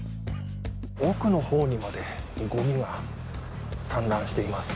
奥のほうにまでごみが散乱しています。